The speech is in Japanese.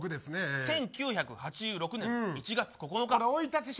１９８６年１月９日。